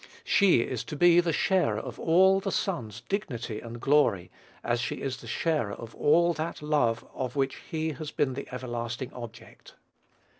She is to be the sharer of all the Son's dignity and glory, as she is the sharer of all that love of which he has been the everlasting object.